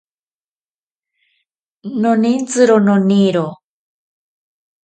Nonintsiro noniro.